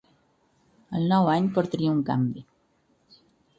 El nou any portaria un canvi.